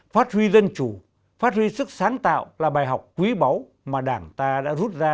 phát huy dân chủ phát huy sức sáng tạo là bài học quý báu mà đảng ta đã rút ra